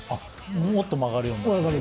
もっと曲がるようになる？